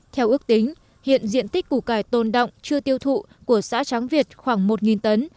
theo ước tính hiện diện tích củ cải tồn động chưa tiêu thụ của xã tráng việt khoảng một tấn